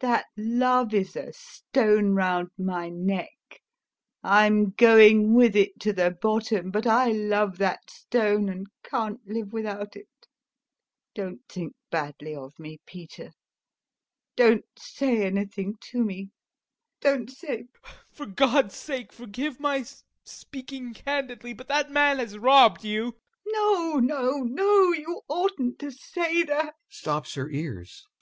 That love is a stone round my neck; I'm going with it to the bottom, but I love that stone and can't live without it. [Squeezes TROFIMOV'S hand] Don't think badly of me, Peter, don't say anything to me, don't say... TROFIMOV. [Weeping] For God's sake forgive my speaking candidly, but that man has robbed you! LUBOV. No, no, no, you oughtn't to say that! [Stops her ears.